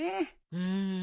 うん。